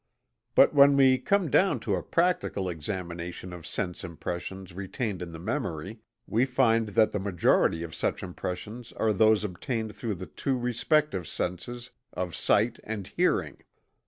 But when we come down to a practical examination of sense impressions retained in the memory, we find that the majority of such impressions are those obtained through the two respective senses of sight and hearing.